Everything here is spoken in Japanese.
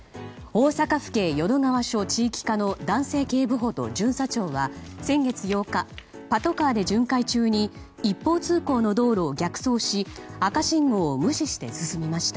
大阪府警淀川署地域課の男性警部補と巡査長は先月８日パトカーで巡回中に一方通行の道路を逆走し赤信号を無視して直進しました。